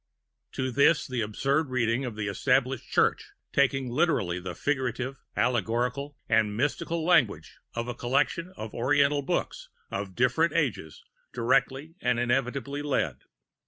[To all this the absurd reading of the established Church, taking literally the figurative, allegorical, and mythical language of a collection of Oriental books of different ages, directly and inevitably led.